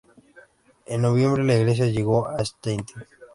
En noviembre la iglesia llegó a Stettin.